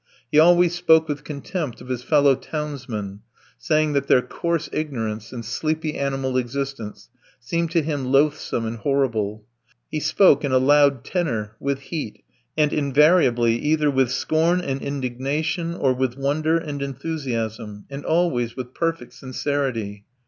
He always spoke with contempt of his fellow townsmen, saying that their coarse ignorance and sleepy animal existence seemed to him loathsome and horrible. He spoke in a loud tenor, with heat, and invariably either with scorn and indignation, or with wonder and enthusiasm, and always with perfect sincerity.